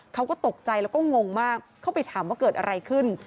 เขาก็ตกใจแล้วก็งงมากเข้าไปถามว่าเกิดอะไรขึ้น